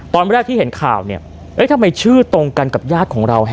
ตอนแรกที่เห็นข่าวเนี่ยเอ้ยทำไมชื่อตรงกันกับญาติของเรา